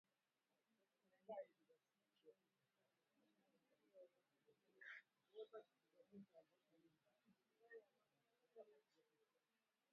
Hata baada ya Rais Uhuru Kenyatta kusaini bajeti ya nyongeza kwa malipo ya shilingi bilioni thelathini za Kenya kwa Mfuko wa Kodi ya Maendeleo ya Petroli.